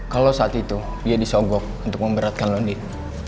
kalau saat itu dia disogok untuk memberatkan lo din